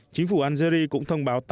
chính phủ algeri cũng thông báo